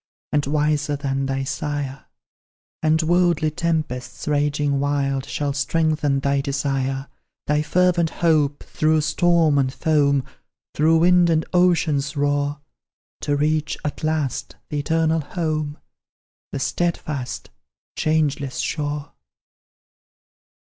And wiser than thy sire; And worldly tempests, raging wild, Shall strengthen thy desire Thy fervent hope, through storm and foam, Through wind and ocean's roar, To reach, at last, the eternal home, The steadfast, changeless shore!"